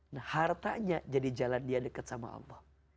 nah hartanya jadi jalan dia dekat sama allah